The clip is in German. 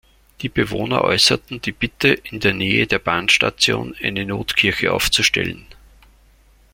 Die Bewohner äußerten die Bitte in der Nähe der Bahnstation eine Notkirche aufzustellen.